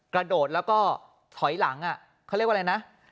กระโดดแล้วก็ถอยหลังเขาเรียกว่าอะไรนะ